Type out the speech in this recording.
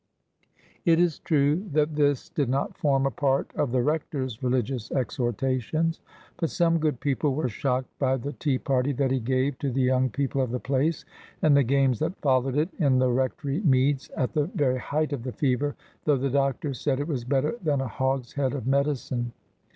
It is true that this did not form a part of the Rector's religious exhortations. But some good people were shocked by the tea party that he gave to the young people of the place, and the games that followed it in the Rectory meads, at the very height of the fever; though the doctor said it was better than a hogshead of medicine.